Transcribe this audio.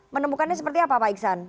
menemukannya seperti apa pak iksan